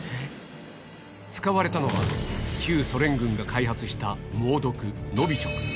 使われたのは、旧ソ連軍が開発した猛毒、ノビチョク。